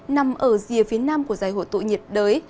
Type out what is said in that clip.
nằm ở dìa phía nam của dài hộ tụ nhiệt đới